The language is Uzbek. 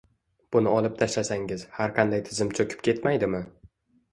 Buni olib tashlasangiz, har qanday tizim cho‘kib ketmaydimi?